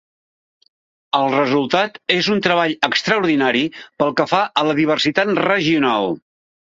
El resultat és un treball extraordinari pel que fa a la diversitat regional.